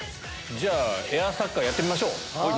じゃあエアサッカーやってみましょう。